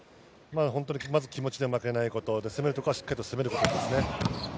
まず気持ちで負けないこと、攻めるところはしっかり攻めること。